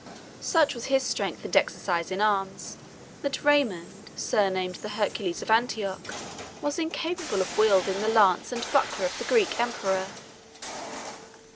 Such was his strength and exercise in arms, that Raymond, surnamed the Hercules of Antioch, was incapable of wielding the lance and buckler of the Greek emperor.